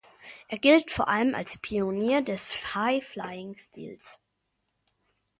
Er gilt vor allem als Pionier des High Flying-Stils.